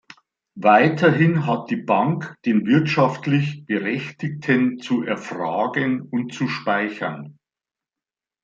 Weiterhin hat die Bank den wirtschaftlich Berechtigten zu erfragen und zu speichern.